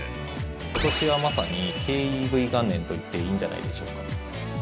今年はまさに軽ＥＶ元年と言っていいんじゃないでしょうか。